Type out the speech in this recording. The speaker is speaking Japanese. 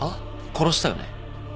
殺したよね。